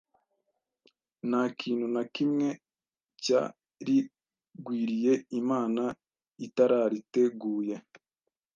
Nta kintu na kimwe cyarigwiriye Imana itarariteguye